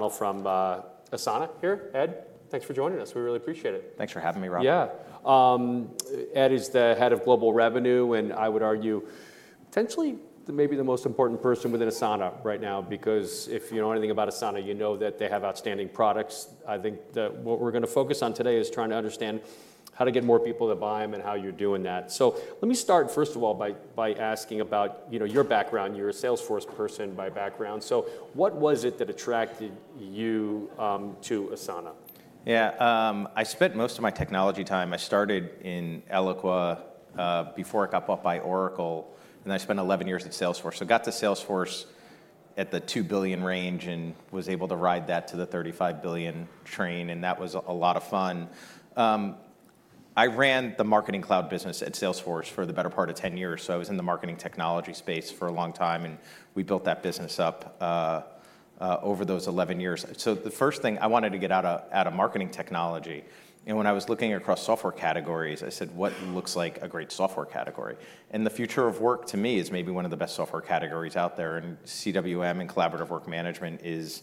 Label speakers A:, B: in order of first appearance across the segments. A: McDonnell from Asana here. Ed, thanks for joining us. We really appreciate it.
B: Thanks for having me, Rob.
A: Yeah. Ed is the head of global revenue, and I would argue potentially maybe the most important person within Asana right now, because if you know anything about Asana, you know that they have outstanding products. I think that what we're going to focus on today is trying to understand how to get more people to buy them and how you're doing that. So let me start, first of all, by asking about, you know, your background. You're a Salesforce person by background, so what was it that attracted you to Asana?
B: Yeah, I spent most of my technology time. I started in Eloqua before it got bought by Oracle, and I spent 11 years at Salesforce. So I got to Salesforce at the $2 billion range and was able to ride that to the $35 billion train, and that was a lot of fun. I ran the Marketing Cloud business at Salesforce for the better part of 10 years. So I was in the marketing technology space for a long time, and we built that business up over those 11 years. So the first thing, I wanted to get out of marketing technology, and when I was looking across software categories, I said: "What looks like a great software category?" And the future of work, to me, is maybe one of the best software categories out there, and CWM and collaborative work management is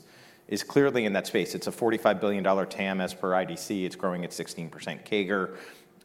B: clearly in that space. It's a $45 billion TAM as per IDC. It's growing at 16% CAGR.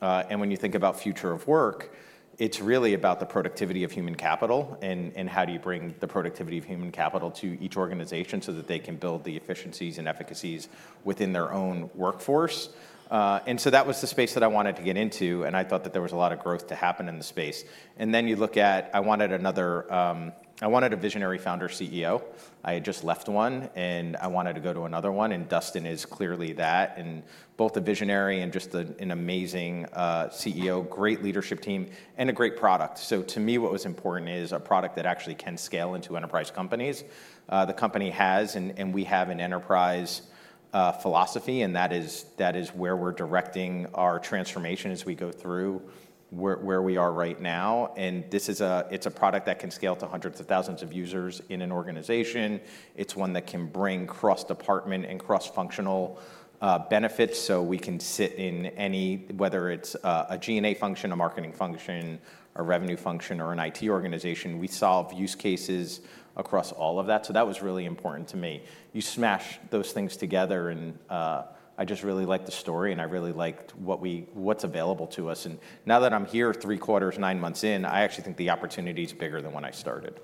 B: And when you think about future of work, it's really about the productivity of human capital and how do you bring the productivity of human capital to each organization so that they can build the efficiencies and efficacies within their own workforce? And so that was the space that I wanted to get into, and I thought that there was a lot of growth to happen in the space. And then you look at... I wanted another, I wanted a visionary founder CEO. I had just left one, and I wanted to go to another one, and Dustin is clearly that, and both a visionary and just the, an amazing, CEO, great leadership team, and a great product. So to me, what was important is a product that actually can scale into enterprise companies. The company has, and we have an enterprise philosophy, and that is, that is where we're directing our transformation as we go through where, where we are right now. And this is a-- it's a product that can scale to hundreds of thousands of users in an organization. It's one that can bring cross-department and cross-functional, benefits. So we can sit in any, whether it's a G&A function, a marketing function, a revenue function, or an IT organization, we solve use cases across all of that. So that was really important to me. You smash those things together, and I just really liked the story, and I really liked what's available to us. And now that I'm here three quarters, nine months in, I actually think the opportunity is bigger than when I started.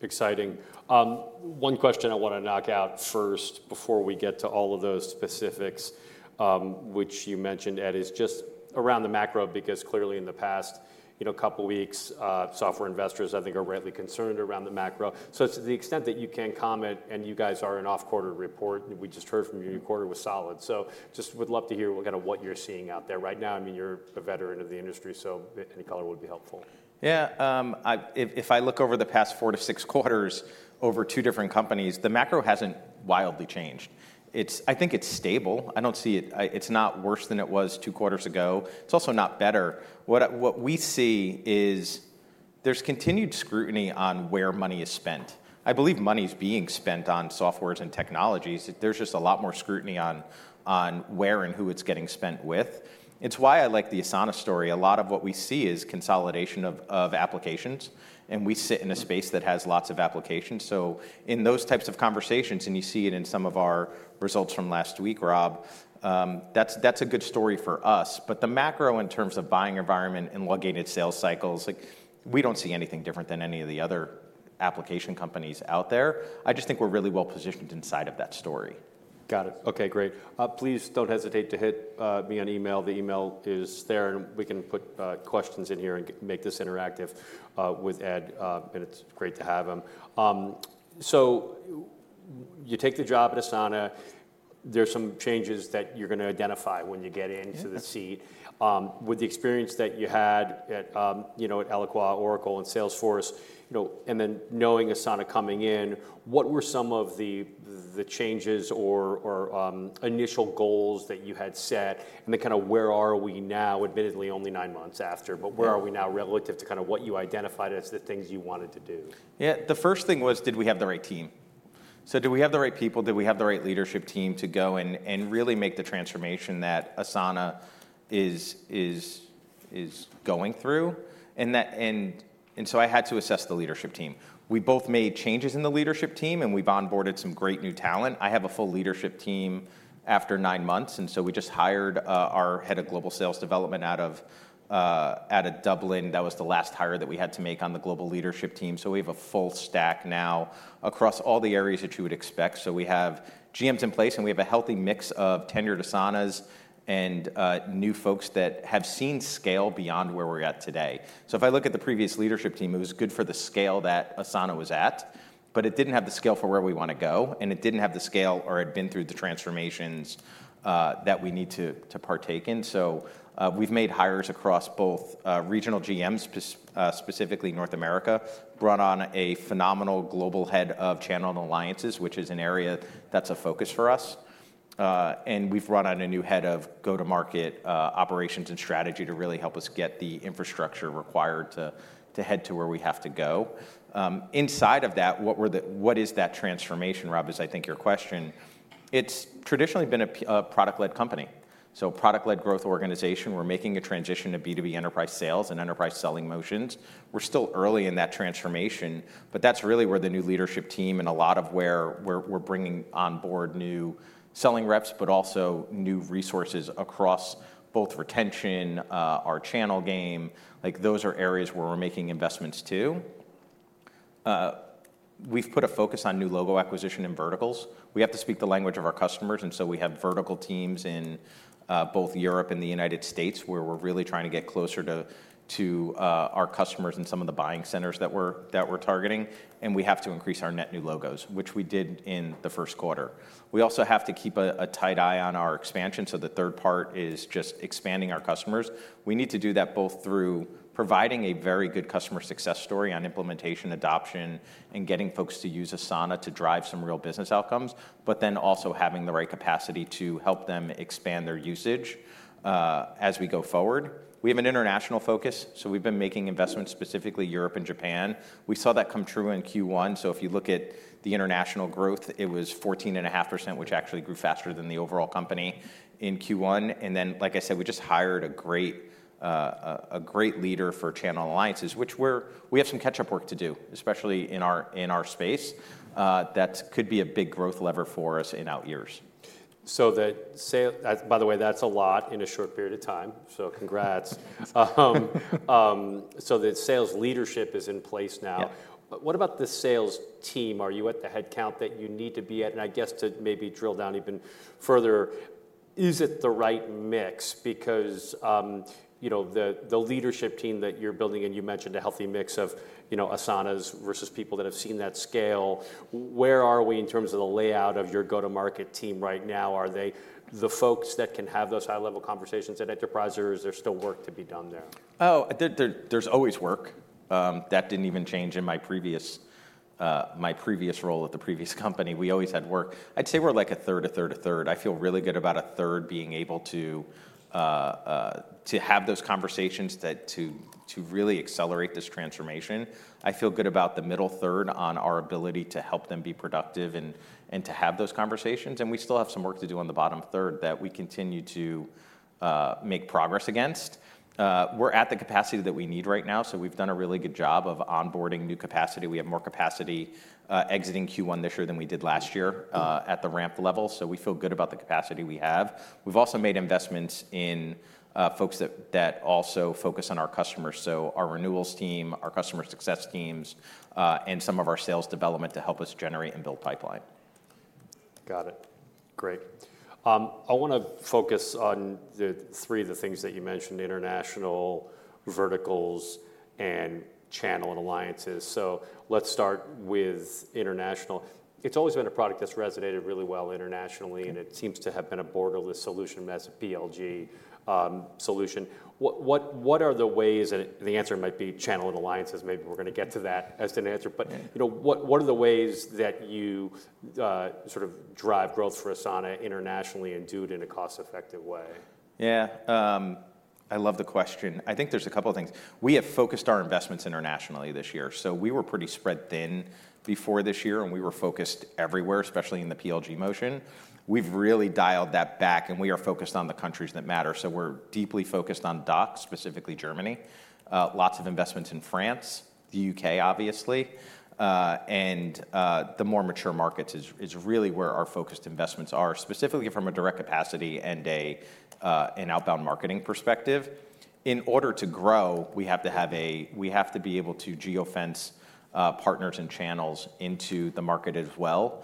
A: Exciting. One question I want to knock out first before we get to all of those specifics, which you mentioned, Ed, is just around the macro, because clearly in the past, you know, couple weeks, software investors, I think, are rightly concerned around the macro. So to the extent that you can comment, and you guys are an off-quarter report, we just heard from you, your quarter was solid. So just would love to hear kind of what you're seeing out there right now. I mean, you're a veteran of the industry, so any color would be helpful. Yeah, if I look over the past four to six quarters over two different companies, the macro hasn't wildly changed. It's. I think it's stable. I don't see it. It's not worse than it was two quarters ago. It's also not better. What we see is there's continued scrutiny on where money is spent. I believe money is being spent on softwares and technologies. There's just a lot more scrutiny on where and who it's getting spent with. It's why I like the Asana story. A lot of what we see is consolidation of applications, and we sit in a space that has lots of applications. So in those types of conversations, and you see it in some of our results from last week, Rob, that's a good story for us. But the macro in terms of buying environment and elongated sales cycles, like, we don't see anything different than any of the other application companies out there. I just think we're really well positioned inside of that story. Got it. Okay, great. Please don't hesitate to hit me on email. The email is there, and we can put questions in here and make this interactive with Ed, and it's great to have him. So you take the job at Asana, there's some changes that you're going to identify when you get into the seat.
B: Mm-hmm.
A: With the experience that you had at, you know, at Eloqua, Oracle, and Salesforce, you know, and then knowing Asana coming in, what were some of the changes or initial goals that you had set and the kind of where are we now, admittedly, only nine months after-
B: Yeah...
A: but where are we now relative to kind of what you identified as the things you wanted to do?
B: Yeah. The first thing was: did we have the right team? So do we have the right people? Do we have the right leadership team to go and really make the transformation that Asana is going through? And so I had to assess the leadership team. We both made changes in the leadership team, and we've onboarded some great new talent. I have a full leadership team after nine months, and so we just hired our head of global sales development out of Dublin. That was the last hire that we had to make on the global leadership team. So we have a full stack now across all the areas that you would expect. So we have GMs in place, and we have a healthy mix of tenured Asanas and new folks that have seen scale beyond where we're at today. So if I look at the previous leadership team, it was good for the scale that Asana was at, but it didn't have the scale for where we want to go, and it didn't have the scale or had been through the transformations that we need to partake in. So we've made hires across both regional GMs, specifically North America, brought on a phenomenal global head of channel and alliances, which is an area that's a focus for us. And we've brought on a new head of go-to-market operations and strategy to really help us get the infrastructure required to head to where we have to go. Inside of that, what is that transformation, Rob, is I think your question? It's traditionally been a product-led company, so product-led growth organization. We're making a transition to B2B enterprise sales and enterprise selling motions. We're still early in that transformation, but that's really where the new leadership team and a lot of where we're bringing on board new selling reps, but also new resources across both retention, our channel game. Like, those are areas where we're making investments, too. We've put a focus on new logo acquisition in verticals. We have to speak the language of our customers, and so we have vertical teams in both Europe and the United States, where we're really trying to get closer to our customers and some of the buying centers that we're targeting, and we have to increase our net new logos, which we did in the first quarter. We also have to keep a tight eye on our expansion, so the third part is just expanding our customers. We need to do that both through providing a very good customer success story on implementation, adoption, and getting folks to use Asana to drive some real business outcomes, but then also having the right capacity to help them expand their usage as we go forward. We have an international focus, so we've been making investments, specifically Europe and Japan. We saw that come true in Q1, so if you look at the international growth, it was 14.5%, which actually grew faster than the overall company in Q1. And then, like I said, we just hired a great leader for channel alliances, which we have some catch-up work to do, especially in our space. That could be a big growth lever for us in out years.
A: So the sales, by the way, that's a lot in a short period of time, so congrats. The sales leadership is in place now.
B: Yeah.
A: What about the sales team? Are you at the headcount that you need to be at? And I guess to maybe drill down even further, is it the right mix? Because, you know, the leadership team that you're building, and you mentioned a healthy mix of, you know, Asanas versus people that have seen that scale, where are we in terms of the layout of your go-to-market team right now? Are they the folks that can have those high-level conversations at enterprise, or is there still work to be done there?
B: Oh, there, there, there's always work. That didn't even change in my previous, my previous role at the previous company. We always had work. I'd say we're, like, a third, a third, a third. I feel really good about a third being able to, to have those conversations that to, to really accelerate this transformation. I feel good about the middle third on our ability to help them be productive and, and to have those conversations, and we still have some work to do on the bottom third that we continue to make progress against. We're at the capacity that we need right now, so we've done a really good job of onboarding new capacity. We have more capacity, exiting Q1 this year than we did last year... at the ramp level, so we feel good about the capacity we have. We've also made investments in folks that also focus on our customers, so our renewals team, our customer success teams, and some of our sales development to help us generate and build pipeline.
A: Got it. Great. I want to focus on the three of the things that you mentioned: international, verticals, and channel and alliances. So let's start with international. It's always been a product that's resonated really well internationally-
B: Yeah...
A: and it seems to have been a borderless solution as a PLG solution. What are the ways that the answer might be channel and alliances. Maybe we're gonna get to that as an answer.
B: Yeah.
A: But, you know, what are the ways that you sort of drive growth for Asana internationally and do it in a cost-effective way?
B: Yeah. I love the question. I think there's a couple of things. We have focused our investments internationally this year, so we were pretty spread thin before this year, and we were focused everywhere, especially in the PLG motion. We've really dialed that back, and we are focused on the countries that matter. So we're deeply focused on DACH, specifically Germany, lots of investments in France, the UK, obviously, and the more mature markets is really where our focused investments are, specifically from a direct capacity and an outbound marketing perspective. In order to grow, we have to have a... We have to be able to geo-fence, partners and channels into the market as well,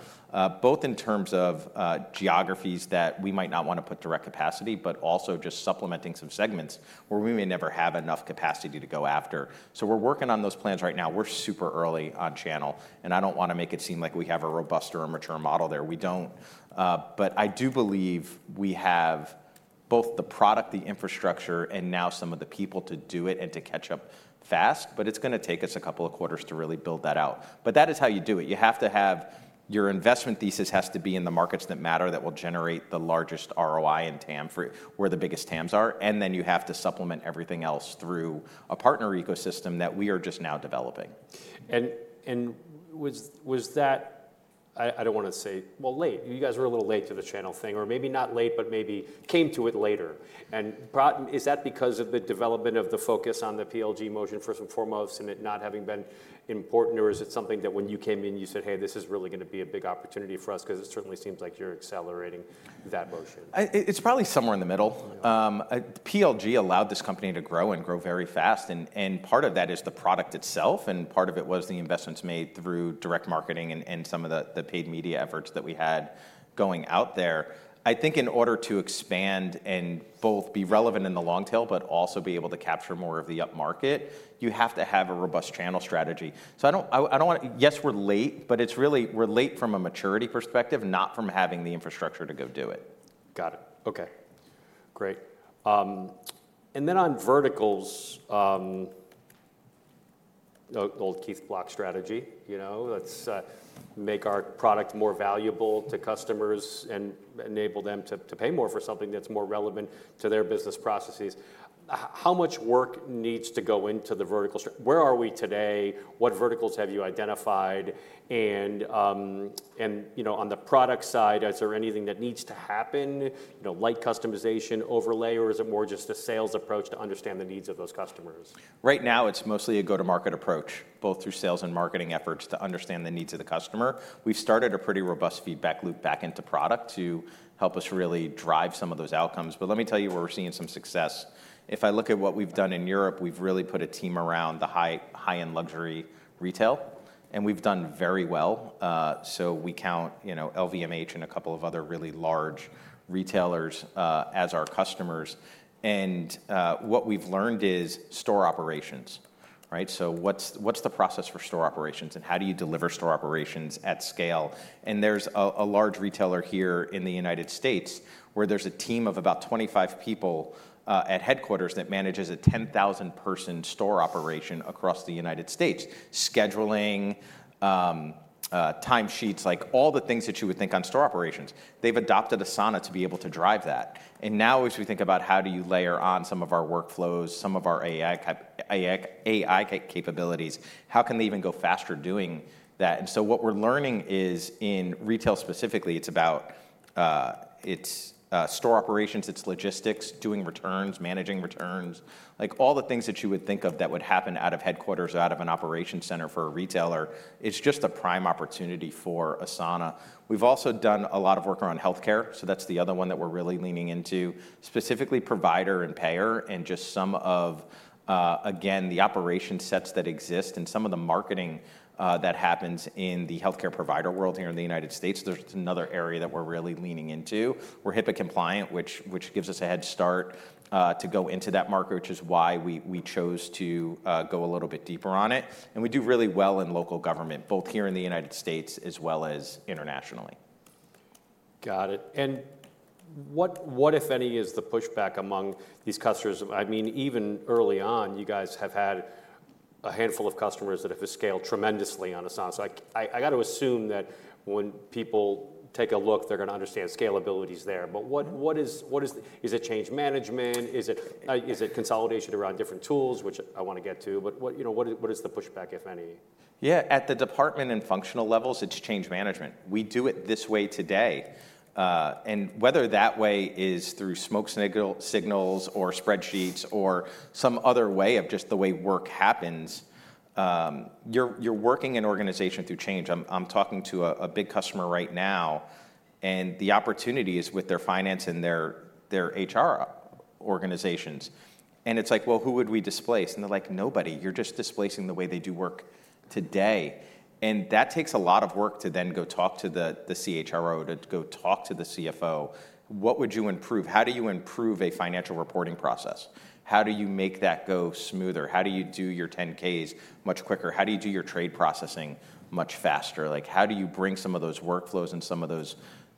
B: both in terms of, geographies that we might not want to put direct capacity, but also just supplementing some segments where we may never have enough capacity to go after. So we're working on those plans right now. We're super early on channel, and I don't want to make it seem like we have a robust or a mature model there. We don't. But I do believe we have both the product, the infrastructure, and now some of the people to do it and to catch up fast, but it's gonna take us a couple of quarters to really build that out. But that is how you do it. You have to have your investment thesis has to be in the markets that matter, that will generate the largest ROI and TAM for where the biggest TAMs are, and then you have to supplement everything else through a partner ecosystem that we are just now developing.
A: And was that, I don't wanna say, well, late, you guys were a little late to the channel thing, or maybe not late, but maybe came to it later. And is that because of the development of the focus on the PLG motion first and foremost, and it not having been important, or is it something that when you came in, you said: "Hey, this is really gonna be a big opportunity for us?" 'Cause it certainly seems like you're accelerating that motion.
B: It's probably somewhere in the middle.
A: Yeah.
B: PLG allowed this company to grow and grow very fast, and part of that is the product itself, and part of it was the investments made through direct marketing and some of the paid media efforts that we had going out there. I think in order to expand and both be relevant in the long tail, but also be able to capture more of the upmarket, you have to have a robust channel strategy. So I don't, I don't want... Yes, we're late, but it's really we're late from a maturity perspective, not from having the infrastructure to go do it.
A: Got it. Okay, great. And then on verticals, the old Keith Block strategy. You know, let's make our product more valuable to customers and enable them to pay more for something that's more relevant to their business processes. How much work needs to go into the vertical strategy? Where are we today? What verticals have you identified? And, and, you know, on the product side, is there anything that needs to happen, you know, light customization overlay, or is it more just a sales approach to understand the needs of those customers?
B: Right now, it's mostly a go-to-market approach, both through sales and marketing efforts, to understand the needs of the customer. We've started a pretty robust feedback loop back into product to help us really drive some of those outcomes. But let me tell you where we're seeing some success. If I look at what we've done in Europe, we've really put a team around the high-end luxury retail, and we've done very well. So we count, you know, LVMH and a couple of other really large retailers as our customers. And what we've learned is store operations, right? So what's the process for store operations, and how do you deliver store operations at scale? There's a large retailer here in the United States where there's a team of about 25 people at headquarters that manages a 10,000-person store operation across the United States. Scheduling, time sheets, like all the things that you would think on store operations. They've adopted Asana to be able to drive that. And now, as we think about how do you layer on some of our workflows, some of our AI capabilities, how can they even go faster doing that? And so what we're learning is, in retail specifically, it's about store operations, it's logistics, doing returns, managing returns. Like, all the things that you would think of that would happen out of headquarters or out of an operations center for a retailer, it's just a prime opportunity for Asana. We've also done a lot of work around healthcare, so that's the other one that we're really leaning into. Specifically, provider and payer, and just some of, again, the operation sets that exist and some of the marketing, that happens in the healthcare provider world here in the United States. There's another area that we're really leaning into. We're HIPAA compliant, which, which gives us a head start, to go into that market, which is why we, we chose to, go a little bit deeper on it. We do really well in local government, both here in the United States as well as internationally.
A: Got it. And what, if any, is the pushback among these customers? I mean, even early on, you guys have had a handful of customers that have scaled tremendously on Asana. So I got to assume that when people take a look, they're gonna understand scalability's there. But what-... what is, what is? Is it change management? Is it, is it consolidation around different tools, which I want to get to, but what, you know, what is, what is the pushback, if any?
B: Yeah, at the department and functional levels, it's change management. We do it this way today, and whether that way is through smoke signals or spreadsheets or some other way of just the way work happens, you're working an organization through change. I'm talking to a big customer right now, and the opportunity is with their finance and their HR organizations. And it's like: Well, who would we displace? And they're like: "Nobody." You're just displacing the way they do work today. And that takes a lot of work to then go talk to the CHRO, to go talk to the CFO. What would you improve? How do you improve a financial reporting process? How do you make that go smoother? How do you do your 10-Ks much quicker? How do you do your trade processing much faster? Like, how do you bring some of those workflows and some of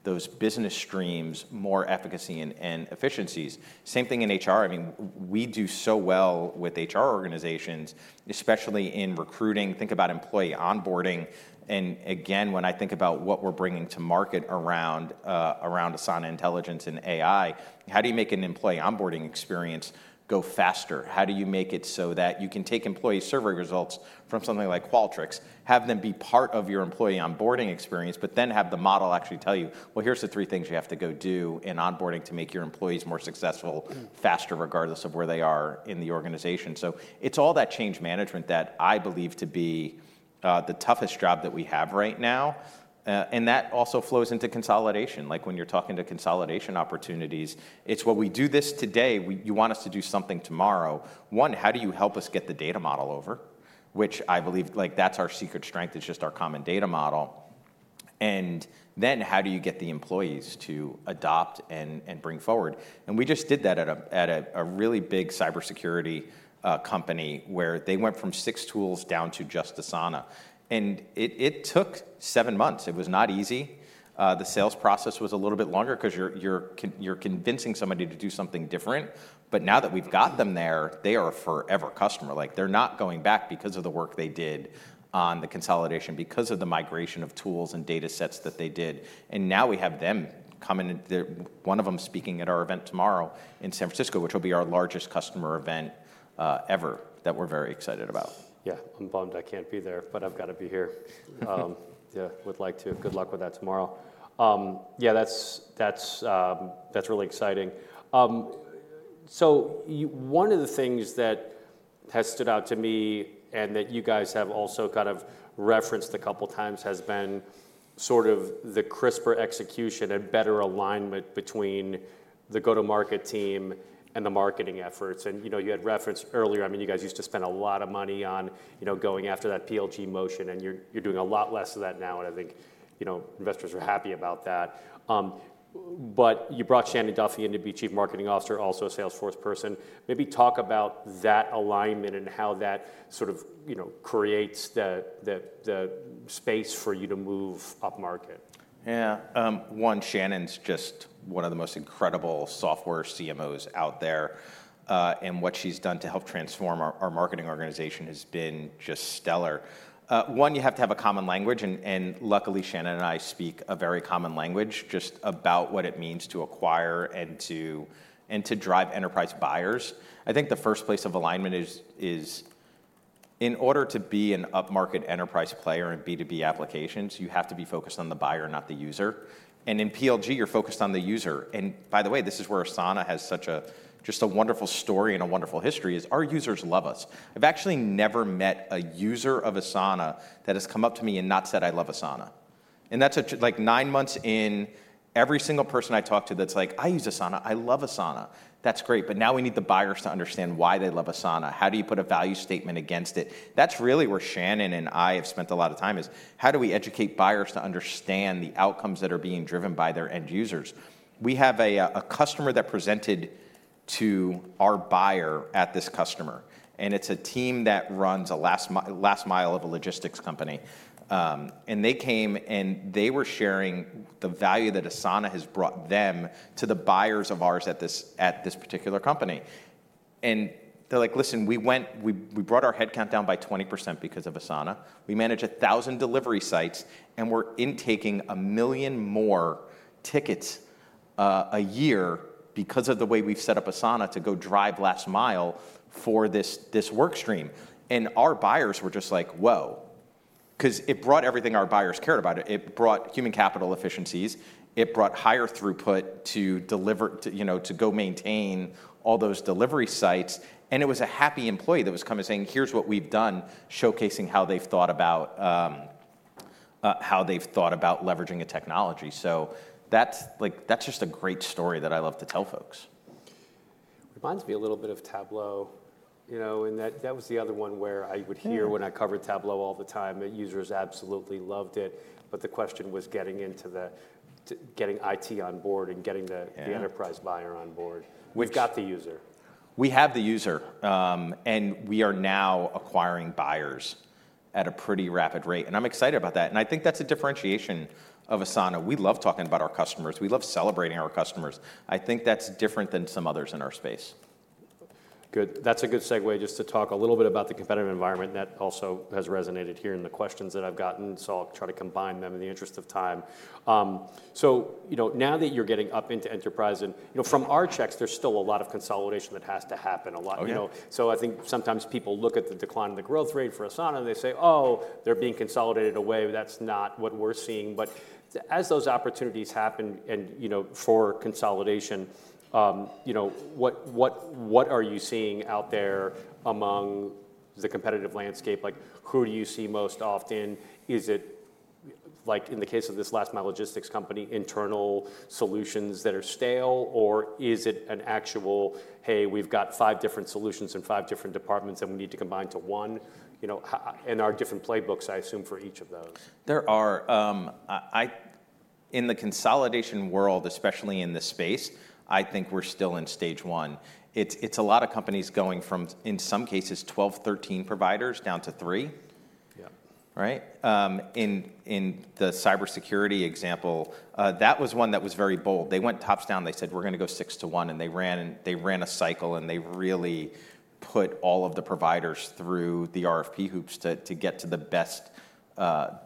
B: those business streams more efficacy and efficiencies? Same thing in HR. I mean, we do so well with HR organizations, especially in recruiting. Think about employee onboarding, and again, when I think about what we're bringing to market around Asana Intelligence and AI, how do you make an employee onboarding experience go faster? How do you make it so that you can take employee survey results from something like Qualtrics, have them be part of your employee onboarding experience, but then have the model actually tell you, "Well, here's the three things you have to go do in onboarding to make your employees more successful faster, regardless of where they are in the organization?" So it's all that change management that I believe to be the toughest job that we have right now. And that also flows into consolidation. Like, when you're talking to consolidation opportunities, it's: Well, we do this today. You want us to do something tomorrow. One, how do you help us get the data model over? Which I believe, like, that's our secret strength, is just our common data model. And then, how do you get the employees to adopt and bring forward? We just did that at a really big cybersecurity company, where they went from 6 tools down to just Asana, and it took 7 months. It was not easy. The sales process was a little bit longer 'cause you're convincing somebody to do something different. But now that we've got them there, they are a forever customer. Like, they're not going back because of the work they did on the consolidation, because of the migration of tools and data sets that they did. And now we have them coming, and they're... One of them speaking at our event tomorrow in San Francisco, which will be our largest customer event ever, that we're very excited about.
A: Yeah, I'm bummed I can't be there, but I've got to be here. Yeah, would like to. Good luck with that tomorrow. Yeah, that's really exciting. So one of the things that has stood out to me and that you guys have also kind of referenced a couple times has been sort of the crisper execution and better alignment between the go-to-market team and the marketing efforts. And, you know, you had referenced earlier, I mean, you guys used to spend a lot of money on, you know, going after that PLG motion, and you're doing a lot less of that now, and I think, you know, investors are happy about that. But you brought Shannon Duffy in to be Chief Marketing Officer, also a Salesforce person. Maybe talk about that alignment and how that sort of, you know, creates the space for you to move upmarket.
B: Yeah. One, Shannon's just one of the most incredible software CMOs out there.... and what she's done to help transform our marketing organization has been just stellar. One, you have to have a common language, and luckily, Shannon and I speak a very common language just about what it means to acquire and to drive enterprise buyers. I think the first place of alignment is in order to be an upmarket enterprise player in B2B applications, you have to be focused on the buyer, not the user, and in PLG, you're focused on the user. And by the way, this is where Asana has such a just a wonderful story and a wonderful history, is our users love us. I've actually never met a user of Asana that has come up to me and not said, "I love Asana." And that's like, nine months in, every single person I talk to that's like: "I use Asana. I love Asana." That's great, but now we need the buyers to understand why they love Asana. How do you put a value statement against it? That's really where Shannon and I have spent a lot of time, is: How do we educate buyers to understand the outcomes that are being driven by their end users? We have a customer that presented to our buyer at this customer, and it's a team that runs a last mile of a logistics company. And they came, and they were sharing the value that Asana has brought them to the buyers of ours at this, at this particular company. And they're like: "Listen, we brought our headcount down by 20% because of Asana. We manage 1,000 delivery sites, and we're intaking 1 million more tickets a year because of the way we've set up Asana to go drive last mile for this work stream." And our buyers were just like: "Whoa!" 'Cause it brought everything our buyers cared about. It brought human capital efficiencies, it brought higher throughput to deliver to, you know, to go maintain all those delivery sites, and it was a happy employee that was coming and saying: "Here's what we've done," showcasing how they've thought about leveraging a technology. So that's like, that's just a great story that I love to tell folks.
A: Reminds me a little bit of Tableau, you know, and that, that was the other one where I would hear-
B: Mm...
A: when I covered Tableau all the time, the users absolutely loved it, but the question was getting to getting IT on board and getting the-
B: Yeah...
A: the enterprise buyer on board.
B: We've-
A: We've got the user.
B: We have the user, and we are now acquiring buyers at a pretty rapid rate, and I'm excited about that, and I think that's a differentiation of Asana. We love talking about our customers. We love celebrating our customers. I think that's different than some others in our space.
A: Good. That's a good segue just to talk a little bit about the competitive environment. That also has resonated here in the questions that I've gotten, so I'll try to combine them in the interest of time. So, you know, now that you're getting up into enterprise and, you know, from our checks, there's still a lot of consolidation that has to happen, a lot-
B: Oh, yeah...
A: you know. So I think sometimes people look at the decline in the growth rate for Asana, they say: "Oh, they're being consolidated away." That's not what we're seeing, but as those opportunities happen and, you know, for consolidation, you know, what are you seeing out there among the competitive landscape? Like, who do you see most often? Is it, like in the case of this last mile logistics company, internal solutions that are stale, or is it an actual, "Hey, we've got five different solutions in five different departments, and we need to combine to one," you know, and are different playbooks, I assume, for each of those?
B: In the consolidation world, especially in this space, I think we're still in stage one. It's a lot of companies going from, in some cases, 12, 13 providers down to three.
A: Yeah.
B: Right? In the cybersecurity example, that was one that was very bold. They went top down. They said, "We're gonna go 6 to 1," and they ran, and they ran a cycle, and they really put all of the providers through the RFP hoops to get to the best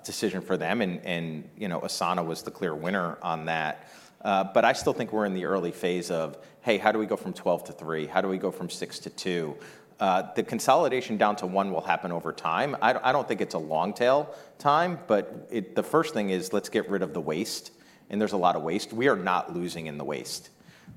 B: decision for them. And, you know, Asana was the clear winner on that. But I still think we're in the early phase of, "Hey, how do we go from 12 to 3? How do we go from 6 to 2?" The consolidation down to one will happen over time. I don't think it's a long tail time, but the first thing is, let's get rid of the waste, and there's a lot of waste. We are not losing in the waste.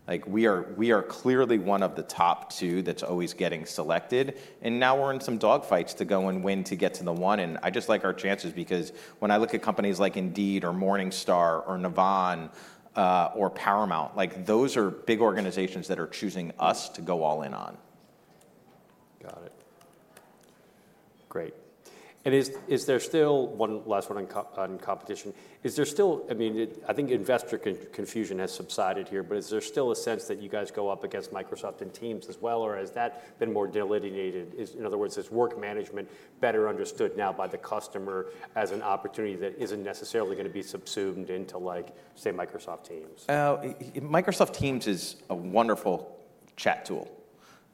B: Like, we are, we are clearly one of the top two that's always getting selected, and now we're in some dog fights to go and win to get to the one. And I just like our chances because when I look at companies like Indeed or Morningstar or Navan, or Paramount, like, those are big organizations that are choosing us to go all in on.
A: Got it. Great. And is there still... One last one on competition: Is there still... I mean, I think investor confusion has subsided here, but is there still a sense that you guys go up against Microsoft and Teams as well, or has that been more delineated? In other words, is work management better understood now by the customer as an opportunity that isn't necessarily gonna be subsumed into, like, say, Microsoft Teams?
B: Microsoft Teams is a wonderful chat tool,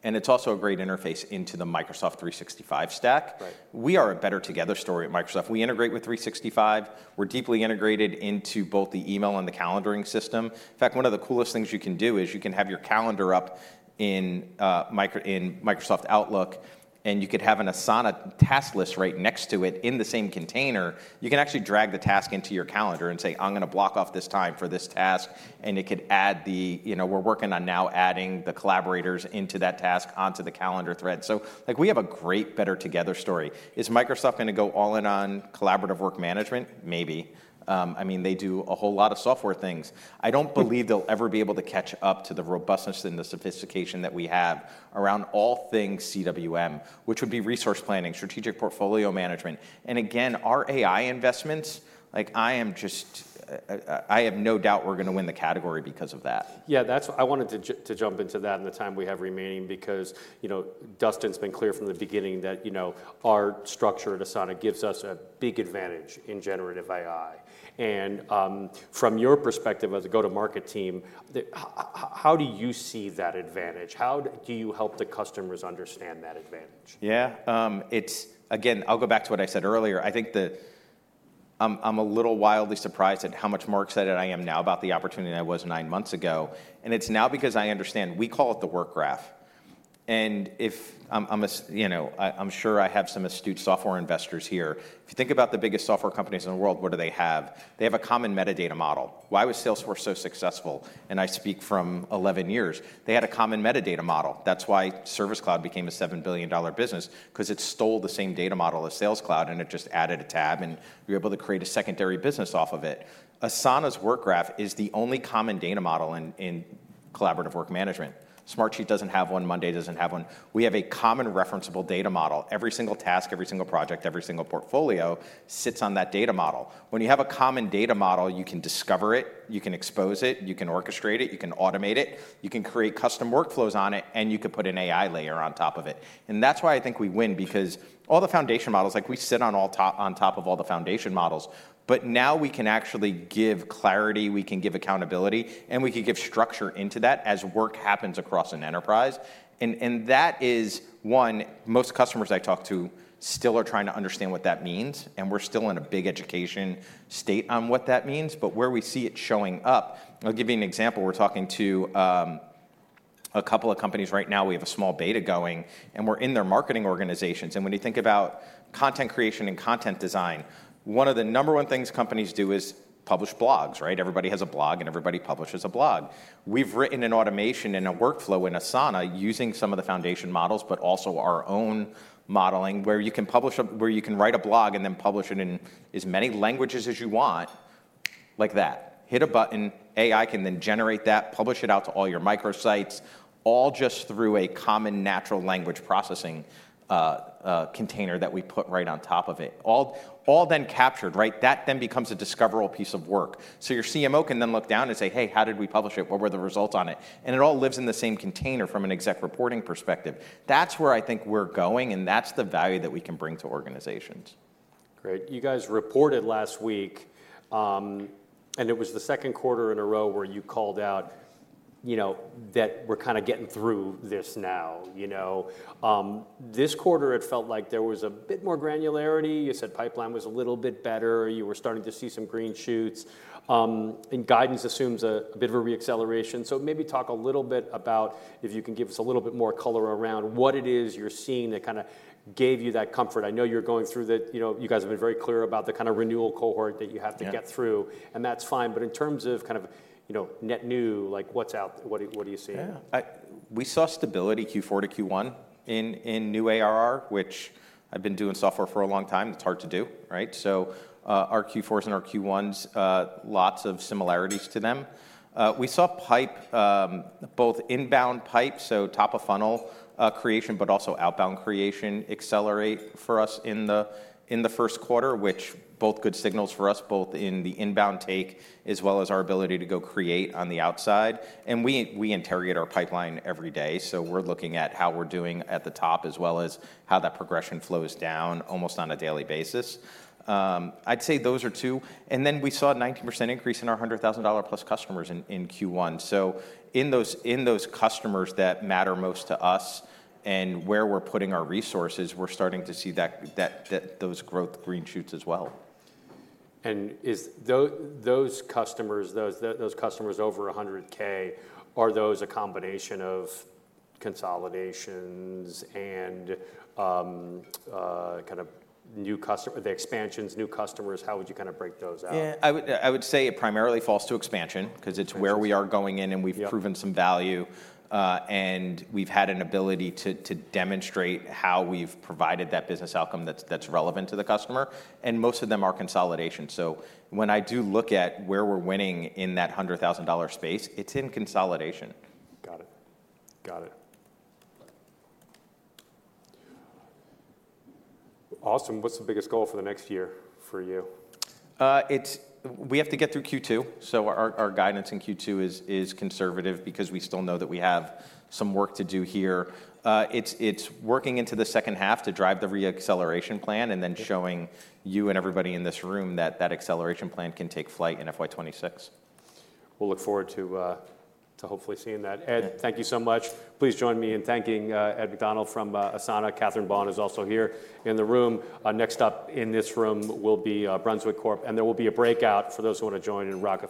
B: and it's also a great interface into the Microsoft 365 stack.
A: Right.
B: We are a better together story at Microsoft. We integrate with 365. We're deeply integrated into both the email and the calendaring system. In fact, one of the coolest things you can do is you can have your calendar up in Microsoft Outlook, and you could have an Asana task list right next to it in the same container. You can actually drag the task into your calendar and say, "I'm gonna block off this time for this task," and it could add the... You know, we're working on now adding the collaborators into that task onto the calendar thread. So, like, we have a great better together story. Is Microsoft gonna go all in on collaborative work management? Maybe. I mean, they do a whole lot of software things. I don't believe they'll ever be able to catch up to the robustness and the sophistication that we have around all things CWM, which would be resource planning, strategic portfolio management, and again, our AI investments, like I am just, I have no doubt we're gonna win the category because of that.
A: Yeah, that's. I wanted to jump into that in the time we have remaining because, you know, Dustin's been clear from the beginning that, you know, our structure at Asana gives us a big advantage in generative AI. And, from your perspective as a go-to-market team, how do you see that advantage? How do you help the customers understand that advantage?
B: Yeah. It's again, I'll go back to what I said earlier. I think I'm a little wildly surprised at how much more excited I am now about the opportunity than I was 9 months ago, and it's now because I understand. We call it the Work Graph, and if, as you know, I'm sure I have some astute software investors here. If you think about the biggest software companies in the world, what do they have? They have a common metadata model. Why was Salesforce so successful? And I speak from 11 years. They had a common metadata model. That's why Service Cloud became a $7 billion business, 'cause it stole the same data model as Sales Cloud, and it just added a tab, and we were able to create a secondary business off of it. Asana's Work Graph is the only common data model in collaborative work management. Smartsheet doesn't have one. Monday doesn't have one. We have a common referenceable data model. Every single task, every single project, every single portfolio sits on that data model. When you have a common data model, you can discover it, you can expose it, you can orchestrate it, you can automate it, you can create custom workflows on it, and you can put an AI layer on top of it. And that's why I think we win, because all the foundation models, like we sit on all top, on top of all the foundation models, but now we can actually give clarity, we can give accountability, and we can give structure into that as work happens across an enterprise. That is one of the most customers I talk to still are trying to understand what that means, and we're still in a big education state on what that means. But where we see it showing up, I'll give you an example. We're talking to a couple of companies right now. We have a small beta going, and we're in their marketing organizations. And when you think about content creation and content design, one of the number one things companies do is publish blogs, right? Everybody has a blog, and everybody publishes a blog. We've written an automation and a workflow in Asana using some of the foundation models, but also our own modeling, where you can write a blog and then publish it in as many languages as you want, like that. Hit a button, AI can then generate that, publish it out to all your microsites, all just through a common natural language processing container that we put right on top of it. All, all then captured, right? That then becomes a discoverable piece of work. So your CMO can then look down and say: "Hey, how did we publish it? What were the results on it?" And it all lives in the same container from an exec reporting perspective. That's where I think we're going, and that's the value that we can bring to organizations.
A: Great. You guys reported last week, and it was the second quarter in a row where you called out, you know, that we're kind of getting through this now, you know. This quarter it felt like there was a bit more granularity. You said pipeline was a little bit better. You were starting to see some green shoots, and guidance assumes a bit of a re-acceleration. So maybe talk a little bit about if you can give us a little bit more color around what it is you're seeing that kind of gave you that comfort. I know you're going through the... You know, you guys have been very clear about the kind of renewal cohort that you have-
B: Yeah...
A: to get through, and that's fine. But in terms of kind of, you know, net new, like, what's out? What do you, what do you see?
B: Yeah. I, we saw stability Q4 to Q1 in, in new ARR, which I've been doing software for a long time. It's hard to do, right? So, our Q4s and our Q1s, lots of similarities to them. We saw pipe, both inbound pipe, so top-of-funnel, creation, but also outbound creation accelerate for us in the, in the first quarter, which both good signals for us, both in the inbound take as well as our ability to go create on the outside. And we, we interrogate our pipeline every day, so we're looking at how we're doing at the top, as well as how that progression flows down almost on a daily basis. I'd say those are two, and then we saw a 19% increase in our $100,000-plus customers in, in Q1. So in those customers that matter most to us and where we're putting our resources, we're starting to see that those growth green shoots as well.
A: Is those customers over $100K a combination of consolidations and kind of new customer, the expansions, new customers? How would you kind of break those out?
B: Yeah, I would say it primarily falls to expansion-
A: Expansion...
B: 'cause it's where we are going in, and we've-
A: Yep...
B: proven some value, and we've had an ability to demonstrate how we've provided that business outcome that's relevant to the customer, and most of them are consolidation. So when I do look at where we're winning in that $100,000 space, it's in consolidation.
A: Got it. Got it. Awesome, what's the biggest goal for the next year for you?
B: It's, we have to get through Q2. So our guidance in Q2 is conservative because we still know that we have some work to do here. It's working into the second half to drive the re-acceleration plan and then showing-
A: Yep...
B: you and everybody in this room that that acceleration plan can take flight in FY 2026.
A: We'll look forward to hopefully seeing that.
B: Yeah.
A: Ed, thank you so much. Please join me in thanking Ed McDonnell from Asana. Catherine Buan is also here in the room. Next up in this room will be Brunswick Corp, and there will be a breakout for those who want to join in Rockefeller-